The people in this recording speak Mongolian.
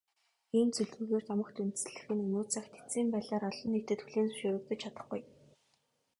Ийм зүйлгүйгээр домогт үндэслэх нь өнөө цагт эцсийн байдлаар олон нийтэд хүлээн зөвшөөрөгдөж чадахгүй.